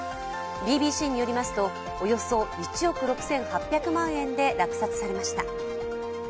ＢＢＣによりますと、およそ１億６８００万円で落札されました。